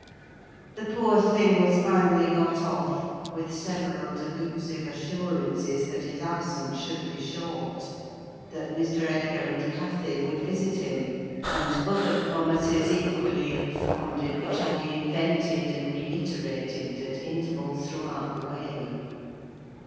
The poor thing was finally got off, with several delusive assurances that his absence should be short: that Mr. Edgar and Cathy would visit him, and other promises, equally ill founded, which I invented and reiterated at intervals throughout the way.